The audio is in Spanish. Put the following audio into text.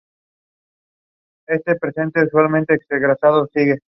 Agrupó en sus inicios a británicos y estadounidenses, principalmente.